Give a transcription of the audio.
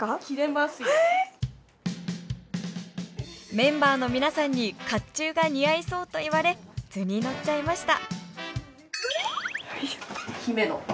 メンバーの皆さんに甲冑が似合いそうと言われ図に乗っちゃいました。